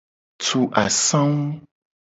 Tu asangu.